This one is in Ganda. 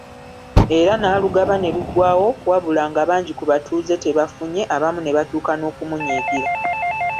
Era n'alugaba ne luggwaawo wabula nga bangi ku batuuze tebafunye abamu ne batuuka n’okumunyigira.